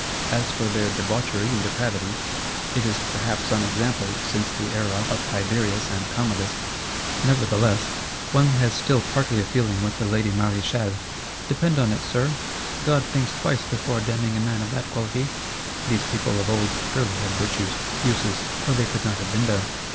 As for their debauchery and depravity, it is perhaps unexampled since the era of Tiberius and Commodus. Nevertheless, one has still partly a feeling with the lady Maréchale: 'Depend upon it, Sir, God thinks twice before damning a man of that quality.' These people, of old, surely had virtues, uses; or they could not have been there.